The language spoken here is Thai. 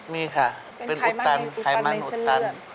มีค่ะเป็นอุตตัณฑ์ไขมันอุตตัณฑ์